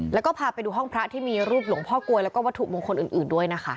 แล้วก็พาไปดูห้องพระที่มีรูปหลวงพ่อกลวยแล้วก็วัตถุมงคลอื่นด้วยนะคะ